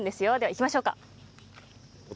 いきましょうか。